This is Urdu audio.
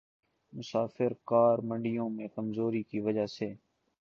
مسافر کار منڈیوں میں کمزوری کی وجہ سے